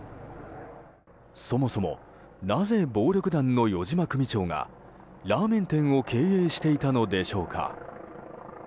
そもそもなぜ暴力団の余嶋組長がラーメン店を経営していたのでしょうか。